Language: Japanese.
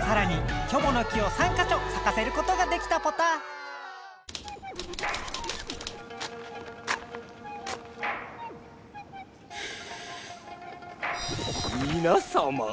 さらにキョボの木を３かしょさかせることができたポタみなさま！